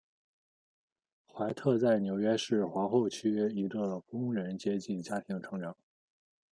怀特在纽约市皇后区一个工人阶级家庭成长。